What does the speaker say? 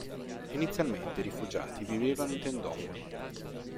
Inizialmente i rifugiati vivevano in tendopoli.